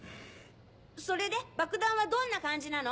それで爆弾はどんな感じなの？